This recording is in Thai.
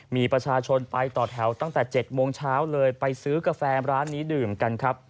มีประชาชนไปต่อแถวตั้งแต่๗โมงเช้าเลยไปซื้อกาแฟร้านนี้ดื่มกันครับ